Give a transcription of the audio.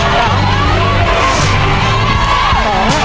เห็นไหมครับ